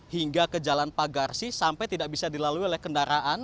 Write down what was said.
hingga ke jalan pagarsi sampai tidak bisa dilalui oleh kendaraan